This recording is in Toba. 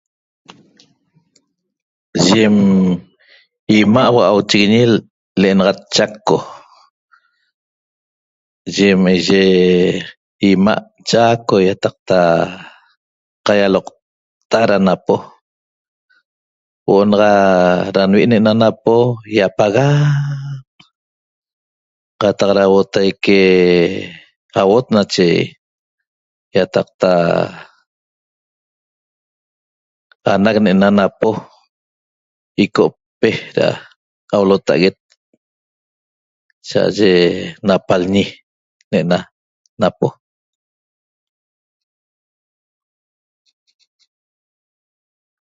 Yem ima' hua'auchiguiñi le'enaxat Chaco yem eye ima' Chaco iaqaqta qaialoqta ra napo huo'o naxa ra nvi' ne'ena napo iapagaq qataq ra huotaique auot nache iataqta anac ne'ena napo igo'pe ra aulota'aguet cha'aye napalñi ne'ena napo